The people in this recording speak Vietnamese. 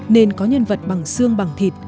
nên có nhân vật bằng xương bằng thịt